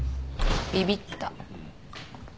ビビった。